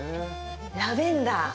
ラベンダー。